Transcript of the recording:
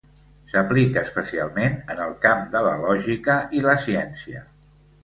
S'aplica especialment en el camp de la lògica i la ciència.